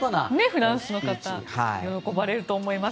フランスの方喜ばれると思います。